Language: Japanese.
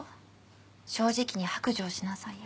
正直に白状しなさいよ。